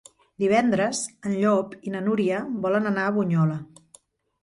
Divendres en Llop i na Núria volen anar a Bunyola.